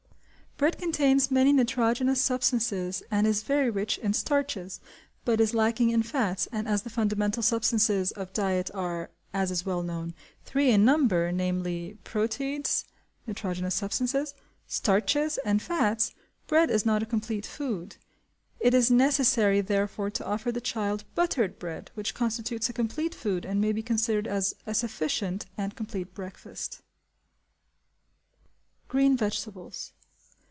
Bread contains many nitrogenous substances and is very rich in starches, but is lacking in fats; and as the fundamental substances of diet are, as is well known, three in number, namely, proteids, (nitrogenous substances), starches, and fats, bread is not a complete food; it is necessary therefore to offer the child buttered bread, which constitutes a complete food and may be considered as a sufficient and complete breakfast. Green Vegetables.